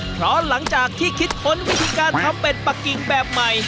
เพราะหลังจากที่คิดค้นวิธีการทำเป็ดปะกิ่งแบบใหม่